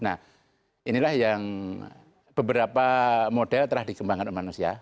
nah inilah yang beberapa model telah dikembangkan oleh manusia